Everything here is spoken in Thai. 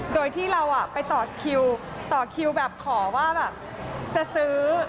โดยที่เราไปต่อคิวต่อคิวแบบขอว่าแบบจะซื้อ